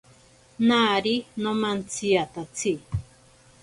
Nari nomantsiatatsi.